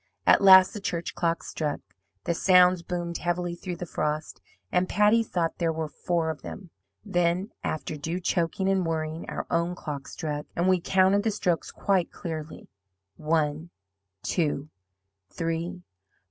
"At last the church clock struck. The sounds boomed heavily through the frost, and Patty thought there were four of them. Then, after due choking and whirring, our own clock struck, and we counted the strokes quite clearly one! two! three!